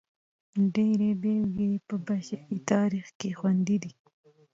ډېرې بېلګې یې په بشري تاریخ کې خوندي دي.